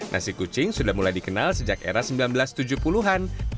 nasi kucing sudah mulai dikenal sejak era seribu sembilan ratus tujuh puluh an